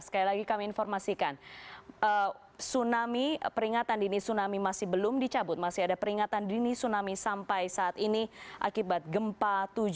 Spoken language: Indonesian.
sekali lagi kami informasikan tsunami peringatan dini tsunami masih belum dicabut masih ada peringatan dini tsunami sampai saat ini akibat gempa tujuh